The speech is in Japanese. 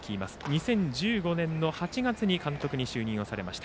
２０１５年の８月に監督に就任をされました。